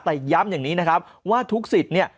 แต่ย้ำอย่างนี้นะครับว่าทุกสิทธิ์เนี่ย